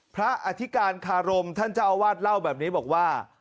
พระอธิการคารมจะเอาวาดเล่าแบบนี้บอกว่า